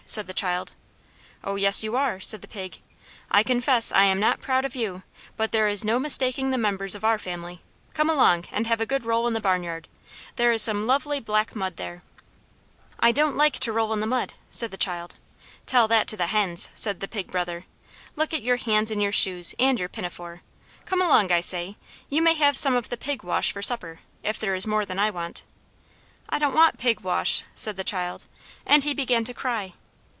said the child. "Oh yes, you are!" said the pig. "I confess I am not proud of you, but there is no mistaking the members of our family. Come along, and have a good roll in the barnyard! There is some lovely black mud there." "I don't like to roll in mud!" said the child. "Tell that to the hens!" said the Pig Brother. "Look at your hands and your shoes, and your pinafore! Come along, I say! You may have some of the pig wash for supper, if there is more than I want." "I don't want pig wash!" said the child; and he began to cry.